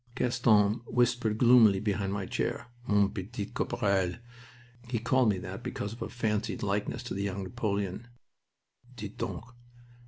Gaston whispered gloomily behind my chair: "Mon petit caporal" he called me that because of a fancied likeness to the young Napoleon "dites donc.